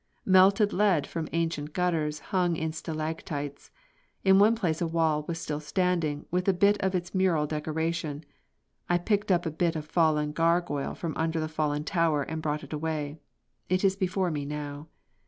Melted lead from ancient gutters hung in stalactites. In one place a wall was still standing, with a bit of its mural decoration. I picked up a bit of fallen gargoyle from under the fallen tower and brought it away. It is before me now.